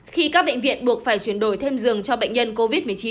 khi các bệnh viện buộc phải chuyển đổi thêm giường cho bệnh nhân covid một mươi chín